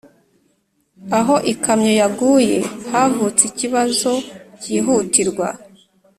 Aho ikamyo yaguye havutse ikibazo cyihutirwa